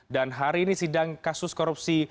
dan hari ini sidang kasus korupsi